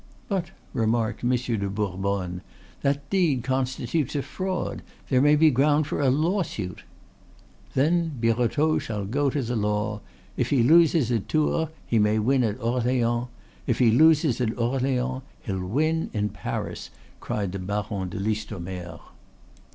"But," remarked Monsieur de Bourbonne, "that deed constitutes a fraud; there may be ground for a lawsuit." "Then Birotteau shall go to the law. If he loses at Tours he may win at Orleans; if he loses at Orleans, he'll win in Paris," cried the Baron de Listomere.